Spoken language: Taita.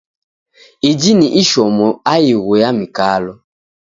Iji ni ishomo aighu ya mikalo.